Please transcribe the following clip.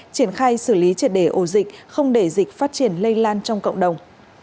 triển khai xử lý triệt đề ổ dịch không để dịch phát triển lây lan trong cộng đồng